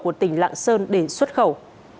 của tỉnh lạng sơn để xuất khẩu